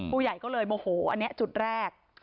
ผู้ใหญ่ก็เลยโมโหอันนี้จุดแรก